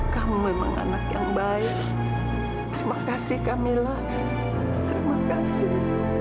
kamu memang anak yang baik terima kasih camilla terima kasih